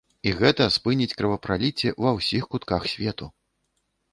І гэта спыніць кровапраліцце ва ўсіх кутках свету!